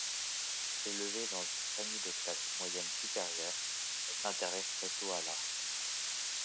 Élevée dans une famille des classes moyennes supérieures, elle s'intéresse très tôt à l'art.